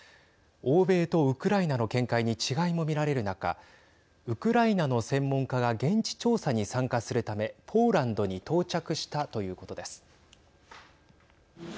欧米とウクライナの見解に違いも見られる中ウクライナの専門家が現地調査に参加するためポーランドに到着したということです。